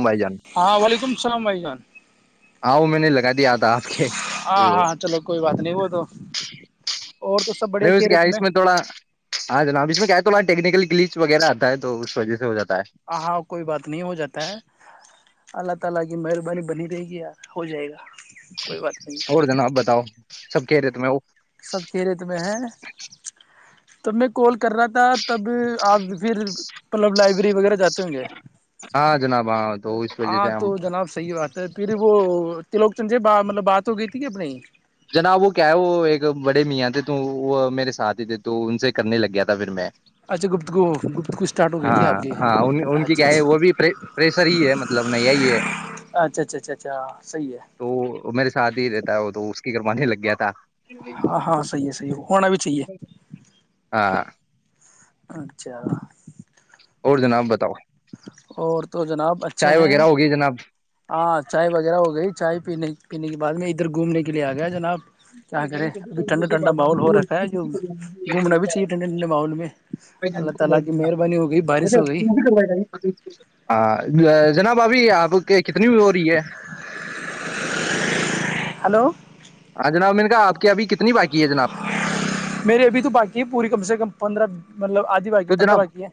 بھائی جان ہاں وعلیکم السلام بھائی جان ہاں وہ میں نے لگا دیا آپ کے ہاں ہاں چلو کوئی بات نہیں وہ تو اور تو سب بڑھیا نہیں اس کیا خیریت اس میں تھوڑا ہاں جناب اس میں کیا تو تھوڑا ٹیکنیکل گلیچ وغیرہ ہے تو اس وجہ سے ہو جاتا ہے ہاں ہاں کوئی بات نہیں ہو جاتا ہے اللہ تعالی کی مہربانی بنی رہے گی یار ہو جائے گا کوئی بات نہیں اور جناب بتاؤ سب کہہ رہے تھے میں سب خیریت میں ہے تب میں کال کر رہا تھا تب آج پھر مطلب لائو [unintelligible] جاتے ہوں گے ہاں جناب ہاں تو اس وجہ سے ہاں ہم تو جناب صحیح بات ہے پھر وہ ت لوگ چنجے ب مطلب بات ہو گئی بھئی جناب وہ کیا ہے وہ ایک بڑے میاں تھے تو وہ میرے ساتھ ہی تھے تو ان سے کرنے لگ گیا تھا پھر میں اچھا گفتگو گفتگو اسٹارٹ ہو گئی تھی آپ کی ہاں ہاں ان کی اچھا کیا ہے وہ اچھا بھی پریشر ہی ہے مطلب نیا ہی ہے اچھا اچھا اچھا اچھا صحیح ہے تو میرے ساتھ فری رہتا ہے وہ تو کروانے لگ گیا تھا ہاں ہاں صحی ہے صحی ہے ہونا بھی چاہیے ہاں اچھا اور جناب بتاؤ اور تو جناب اچھے چائے ہیں وغیرہ ہوگی جناب ہاں چای وغیرہ ہو گئی چائ پینے پینے کے بعد میں ادھر گھومنے کے لیے آ گیا جناب کیا کرے ابھی ٹھنڈا ٹھنڈا ماحول ہو رکھا ہے جو گھومنا بھی چاہیے ٹھنڈے ٹھنڈے ماحول میں اللہ تعالی کی مہربانی ہو گئی بارش ہو گئی ہاں جناب ابھی آپ کہ کتنی بھی ہو رہی ہے ہلو ہاں جناب میں نے کہا آپ کے ابھی کتنے میرری ابھی تو باقی ہے پوری کم سے کم پندرہ مطلب آدھی باقی تو پندرہ جناب باقی ہے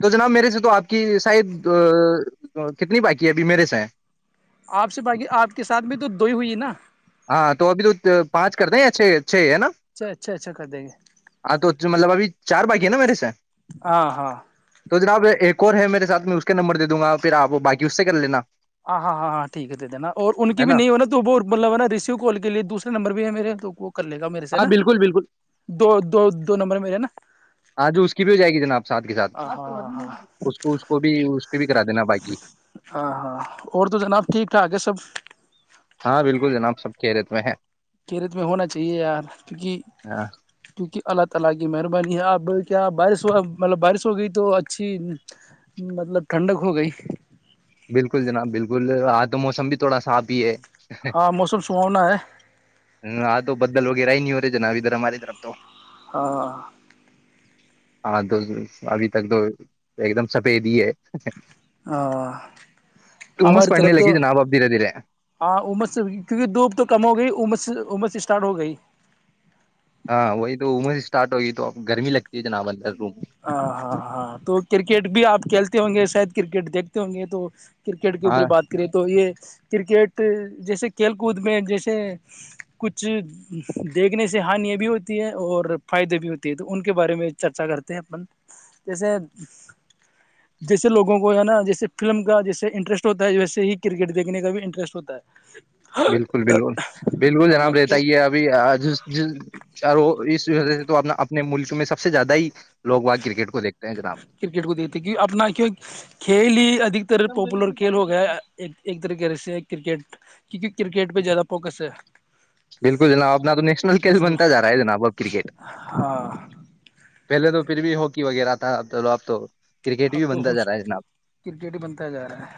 تو جناب میرے سے تو آپ کی شاید تو کتنی باقی ہے ابھی میرے سے ہے آپ سے باقی آپ کے ساتھ بھی تو دو ہی ہوئی ہے نا ہاں تو ابھی تو پانچ کرتے ہیں اچھے چھ ہے نا اچھا اچھا اچھا کر دیں گے ہاں تو مطلب ابھی چار باقی کہ ن مید سے ہ ہاں کوور ہے میرے ساتھ میں اس کے نمبر دوں گا پھر آپ بای اس سے کر لینا ہاں ہاں ہاں ہاں ٹھیک ہے د نا اور ان کی بھی نہیں ہو نا تو وہ مطلب ہے نا ر کال کےے دوسرے نمبر بھی ہے میرے کو ہاں بالکل بالکل دو دو نمبر میرے نا ہاں جو اس کی بھی ہو جائے گی جناب ساتھ کے ساتھ ہاں ہاں ہاں اس کو بھی اس کی بھی کرا دینا باقی ہاں ہاں اور تو جناب ٹھیک تو آگے سب ہاں بالکل جناب سب کییرت میں ہے ہ کیا ہاں بارش ہوا مطلب بارش ہو گئی تو اچھی مطلب ٹھنڈک ہو گئی بالکل جناب بالکل آج تو موسم بھی تھوڑا صاف ہی ہے ہاں موسم سہاونا ہے ہ آ تو بدل وغہ ہی نہیں ہو جنا ادھر ہماری طرف تو ہاں [unintelligible] ہاں تو ابھی تک تو ایک دم سفید ہی ہے ہاں عمس ہماری پڑنے طرف تو لگی جناب اب دھیرے دھیرے ہاںمس سے کیونکہ دھوپ تو کم ہو گئیمس سےمس اسٹارٹ ہو گئی [unintelligible] ہاں وہی تو عمر سے اسٹارٹ ہوگئی تو اب گرمی لگتی ہے جنا بول ہاں ہاں ہاں تو کرکٹ بھی آپ کھیلتے ہوں گے شاید کرکٹ دیکھتے ہوں گے تو کرکٹ کے ہاں اوپر بات کرے تو یہ کرکٹ جیسے کھیل کود میں جیسے کچھ دیکھنے سے ہان بھی ہوتی ہے اور فائدے بھی ہوتی ہے تو ان کے بارے میں چرچا کرتے اپن جیسے جیسے لوگوں کو ہے نا جیسے فلم کا جیسے انٹرسٹ ہوتا ہے ویسے ہی کرکٹ دیکھنے کا بھی انٹرسٹ ہوتا ہے بالکل بالکل بالکل ہاں جناب رہتا تو ہی ہے ابھی ج ج اور وہ اس وہ سے تو اپنے ملک میں سب سے زیادہ ہی لوگ وہاں کرکٹ کو دیکھتے ہیں جناب کرکٹ کو دیکھتے کی اپنا کیوں کھیل ہی ادھتر پاپولر کھیل ہو گیا ایک طریق سے کرکٹ کیونکہ کرکٹ پہ زیادہ فوکس ہے بالکل جناب ابنا تو نیشنل کھیل ماشاء بنتا اللہ جا رہا ہے جناب اب کرکٹ ہاں پہلے تو پھر بھی ہو وغیرہ آتا توو آب تو کرکٹ اب بھی تو بنتا خوش جا رہا ہے جناب کرکٹ ہی بنتا جا رہا ہے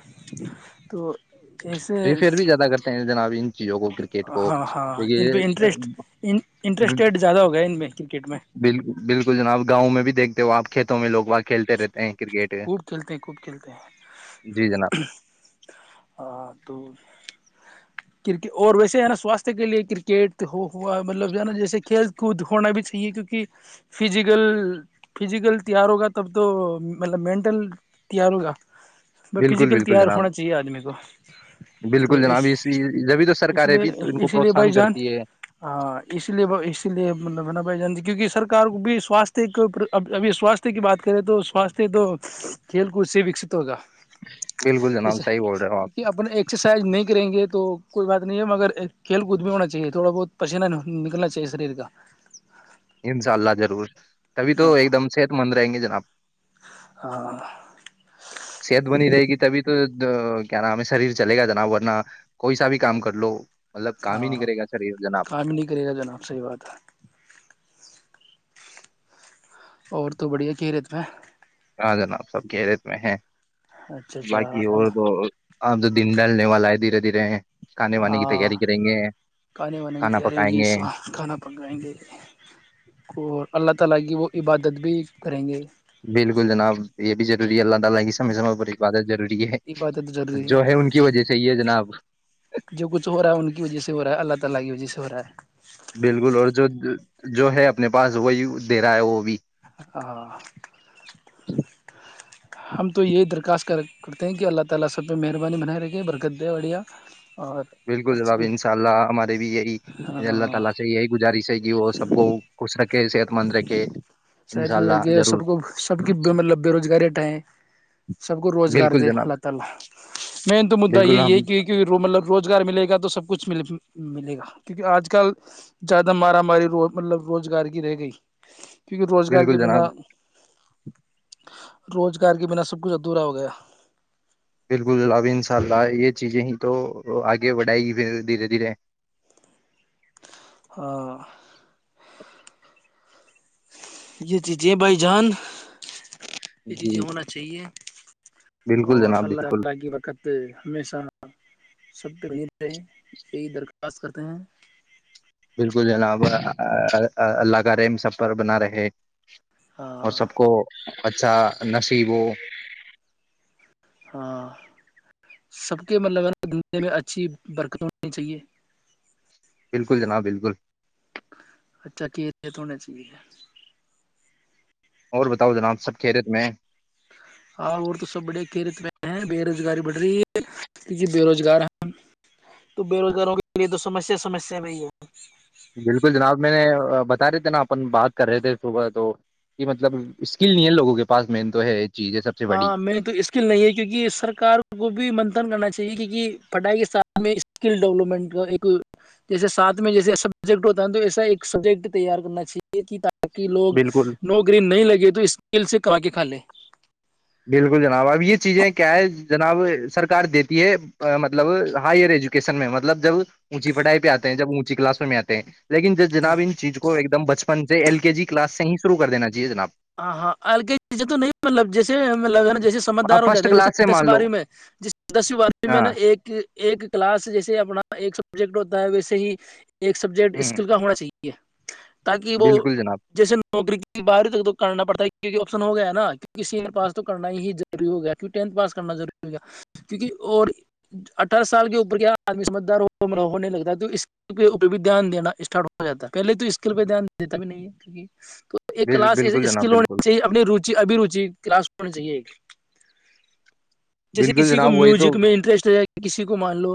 تو ایسے پریفر بھی زیادہ کرتے ہیں جناب ان چیزوں کو کرکٹ کو ہاں ہاں ان پہ کیکہ انٹرسٹ انٹرسٹیڈ زیادہ ہو گیا ان میں کرکٹ میں بالکل بالکل جناب گاؤں میں بھی دیکھ تو آپ کھیتوں میں لوگ کھیل رہتے ہیں کرکٹ خب کھیلتے ہیں کوب کھیلتے جی جناب ہیں آ تو [unintelligible] کرکٹ اور ویسے ہے نا سواستھ کے لیے کرکٹ ہو ہوا مطلب جو ہے نا جیسے کھیل کود ہونا بھی چاہیے کیونکہ فزیکل فزیکل تیار ہوگا تب تو مطلب مینٹل تیار کاا [unintelligible] ب بالکل فزیکل بالکل تیار جناب ہونا چاہیے آدمی کو تو بالکل لیے جناب اس جبھی تو سرکاریں بھی ان کو اسی لیے بائی پروتساہن جان کرتی ہے لیے اس لیے ملا بائی جان کیونکہ سر بھی سوست ابھی سواستھ کی بات کریں تو ساستھ [unintelligible] تو کھیل کود سے وکست ہوگا بالکل جناب جسا صحیح بول رہے ہو آپ کیونکہ اپنے ایکسرسائز نہیں کریں گے تو کوئی بات نہیں ہے مگر کھیل کود بھی ہونا چاہیے تھوڑا بہت پسینہ نکلنا چاہیے شریر کا انشاء اللہ ضرور تبھی ہاں تو ایک دم صحت مند رہیں گے آپ [unintelligible] ہاں [unintelligible] صحت بنی رہے گی تبھی تو کیا نام ہمیں شریر چلے گا جناب ورنہ کوئی سا بھی کام کر لو کام ہی نہیں ہاں کرے گا شریر جناب کام نہیں کرے گا جناب صحی بات ہے اور تو بڑھیا کہھیریت میں ہاں جناب سب کیریت میں ہے اچھا اچھا باقی ہوور اب دو ہ تو دن ڈھالنے والا ہے دھیرے دھیرے کھانے وانے کی ہاں تیاری کریں گے کھانے وانے کی کھانا تیاری پکائیں ہوگی گے کھانا پنکائیں گے اور اللہ تعالی کی وہ عبادت بھی کریں گے بالکل جناب یہ بھی ضروری ہے اللہ ت گی سم سمے پر ایکبادت ضروری ہے عبادت ضروری جو ہے ان کی وجہ سے یہ ہے جناب جو کچھ ہو رہا ہے ان کی وجہ سے ہو رہا ہے اللہ تعالی کی وجہ ہو رہا ہے بالکل اور جو جو ہے اپنے پاس وہی دے رہا ہے وہ بھی ہم تو یہی درخواست کرتے ہیں کہ اللہ تعالی فلم بنا رہے گا برکت دے اڑیاں بالکل جناب ان شاء اللہ ہمارے بھی یہی اللہ تعالی سے یہی گزارش ہے کہ وہ سب کو صحت مندرے کی سب کو سب کی میں لب بے روزگاری اٹھائیں سب کو روزگار بالکل دے جناب اللہ تعالی نعمدہ بالکل ہم یہی مطلب روزگار ملے گا تو سب کچھ ملے گا کیونکہ آج کل زیادہ مارا ماری مطلب روزگار کی رہ گئی روزگار بالکل کے بنا جناب روزگار کے بنا سب کچھ ادھورا ہو گیا بالکل ابھی ان شاء اللہ یہ چیزیں ہی تو آگے بڑھائے گی پھر دھیرے دھیرے [inaudible] یہ جی جی بھائی جان جی یہ ہونا چاہیے بالکل اور جناب بالکل اللہ کی وقت ہمیشہ سب سے یہی درخواست کرتے ہیں بالکل جناب اللہ کا ریم سب پر بنا رہے اور ہاں سب کو اچھا نصیبوں ہاں سب کے مطلب ہے نا دنیا میں اچھی برکت ہونی چاہیے بالکل جناب بالکل [inaudible] اور بتاؤ جناب سب خیریت میں ہے ہاں اور تو سب بڑے کھیرت میں ہیں بے روزگاری بڑھ رہی ہے کیونکہ بے روزگار ہیں تو بے روزگاروں کے لیے تو سمسیا سمسیا میں ہی ہے بالکل جناب میں نے بتا رہے تھے نا اپن بات کر رہے تھے صبح تو کہ مطلب اسکل نہیں ہے لوگوں کے پاس مین تو ہے چیز ہے سب سے بڑی ہاں میں تو اسکل نہیں ہے کیونکہ سرار کو بھی منتن کرنا چاہیے کی پڑھائی کے سھ میں اسکل ڈیولپمنٹ کا جیسے سھ میں جیسے سبجیکٹ ہوتا ہے ن تو ایسا ایک سبجیکٹ تیار کرنا چاہیے کہ تہ لوگ بالکل نو گرین نہیں لگے تو اسکیل سے کما کے کھ لیں بالکل جناب اب یہ چیزیں کیا ہے جناب سرکار دیتی ہے مطلب ہائر ایجوکیشن میں مطلب جب اونچی پڑھائی پہ آتے ہیں جب اونچی کلاسوں میں آتے ہیں لیکن جب جناب ان چیز کو ایک دم بچپن ایل کے جی کلاس سے ہی شرع کر دا چاہیے جناب ہاں ہاں الک چ تو نہیں مطلب جیس لگن جیسے ہاں سمجھدار ہو فرسٹ جاتے ہیں جیسے کلاس سے دس مان لو بارو میں جس دسو بارہو میں ہاں نا ایک ایک کلاس جیسے اپنا ایک سبجیکٹ ہوتا ہے ویسے ہی ایک سبجیکٹ ہ اسکل کا ہونا چاہیے ٹ ہے تاکہ وہ بالکل جناب جیسے نوکری کی باری تک تو آشن ہو گیا ہے نا کی پاس تو کرنا ہی ضروری ہو گیا پاس کرنا وری ہوگ کیک اور اٹھارہ سال کے اوپر کیا آد سمجھدار ہو نہیں لگتا ہے تو اسک کے اپ بھی دھیان دینا اسٹارٹ ہو جا ہے پہے تو اسکل پہ دھیان دیتا بھی نہیں ہےک تو ایک بل- کلاس بالکل ایس جناب لونے بالکل سے ہی اپنی رچ اب روچی کلاس ہونا چاہیے ایک جیسے بالکل کسی کو جناب وہی تو میوزک میں انٹرسٹ رہ ج کہ کسی کو مان لو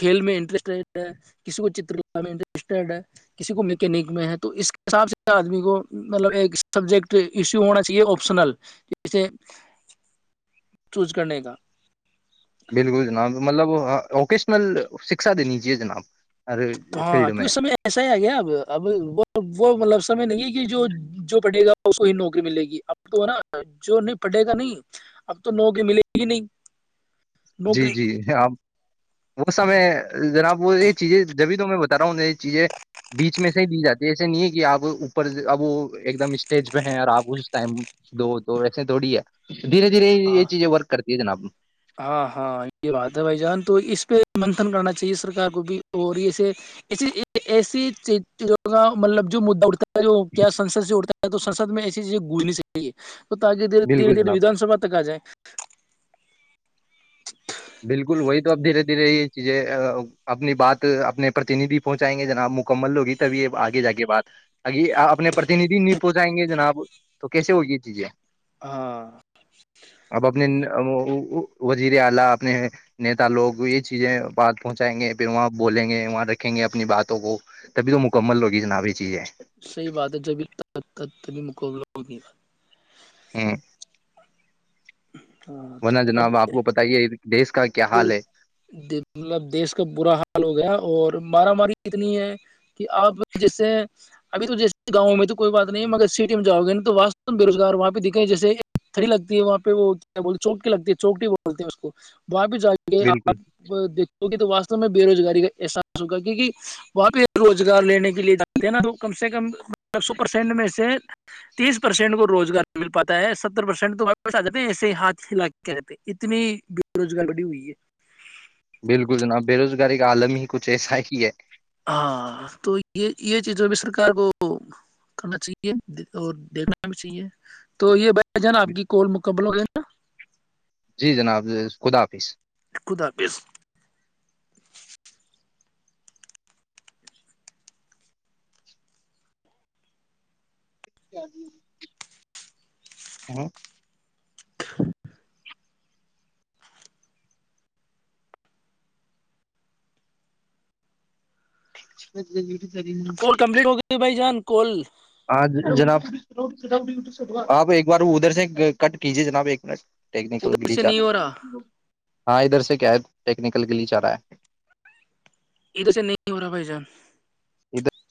کھیل میں انٹرسٹیڈ ہے کسی کو چترکلا میں انٹرسٹیڈ ہے کسی کو میکینک میں ہے تو اس کے حساب سے آدمی کو مطلب ایک سبجیکٹ ایشو ہونا چاہیے آپشنل جے چوز کرنے کا بالکل جناب مطلب ووکیشنل شکشا دینجیے جناب ارے ہاں فیلڈ کی میں اس سمے ایسا ہی آ گیا اب اب وہ وہ مطلب سمے نہیں ہے کہ جو جو پڑے گا نوکری ملے گی اب تو ہے نا جو نہیں پڑے گا نہیں اب تو نوکری ملے گی نہیں جی نوکری جی ہم وہ سمے جناب وہ یہ چیزیں جبھی تو میں بتا رہا ہوں یہ چیزیں بیچ میں سے ہی دی جاتی ہے ایسے نہیں ہے کہ آپ اوپر اب وہ ایک دم اسٹیج پہ ہیں اور آپ اس ٹائم دو دو وسے تھوڑی ہے دھیرے دھیرے یہ ہاں چ جی ورک کرتے ہیں یہ جناب ہاں ہاں یہ بات ہے بھائی جان تو اس پہ منتن کرنا چاہیے سرک کو بھی اور یہسے ای ایسی مطلب جو ما اٹتا کیا سسد سے اٹتا تو سسد میں ایسی چیزیں گجنی چاہیے تو تاکہ دھیرے بالکل جناب دھیرےھیےدان سبا تک جائے بالکل وہی تو اب دھیرے دھیرے یہ چیزیں اپنی بات اپنے پرتینیدھی پہنچائیں گے جناب مکمل ہوگی تبھی یہ آگے جا کےے بات ا اپنے پرتینیدھی نہیں پہنچائیں گے جناب تو کیسے ہوگی یہ چیزیں ہاں اب اپنے وزیر آلہ اپنے نیتا لوگ یہ چیزیں بات پہنچائیں گے پھر وہاں بولیں گے وہاں رکھیں گے اپنی باتوں کو تبھی تو مکمل لوگی جناب یہ چیزیں صحی بات ہے جبھی ت ت تبھی مقابل بہت د باد ہاں ورنہ جناب آپ کو پت ہی ہے دیش کا کیا پھر حال ہے مطلب دیش کا برا حال ہو گیا اور مارا ماری اتنی ہے کہ آپ جیسے ابھی تو جیسے گاؤں میں تو کوئی بات نہیں مگر سٹی میں جاؤ گے نہیں تو وا بے روزگار وہاں پہ دکھے جیسے تھڑی لگتی ہے وہاں پہ وہ کیا بول چوکٹی لگتی ہے چوکٹی بولتے ہیں اس کو وہاں بھی جائیں گے بالکل آپ دیک تو وا میں بے روزگاری کا احساس ہوگا کی کہ وہاں پہ روزگار لینے کے لیے جاتے ہیں نا تو کم سے کم سو پرسینٹ میں سے تیس پرسینٹ کو روزگار مل پاتا ہے ستر پرسینٹ تو جات ایسے ہی ہاتھیتے اتنی روزگار بڑی ہوئی ہے بلکل جناب بے روزگاری کا عالم ہی کچھ ایسا ہی ہے ہاں تو یہ یہ چیز بھی سرک کو کرنا چاہیے اور دیکھنا بھی چاہیے تو یہ بائی کیا جان آپ کی کال مکبل ہو گئی [inaudible] جی جناب خدا حافظ خدا حافظ [inaudible] [inaudible] [inaudible] کو کمپلیٹ ہو گئی بھائی جان کل ہاں جناب آپ ایک بار ادھر سے کٹ کیجے جناب ایک منٹ ادھر سے نہیں ہو رہا [inaudible] ہاں ادھر سے کیا ہے ٹیکنیکل کے لیے چاہ رہا ہے ا توھر سے نہیں ہو رہا بھائی جان ادھر